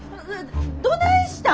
どないしよ！